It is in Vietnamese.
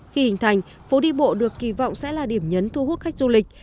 khi hình thành phố đi bộ được kỳ vọng sẽ là điểm nhấn thu hút khách du lịch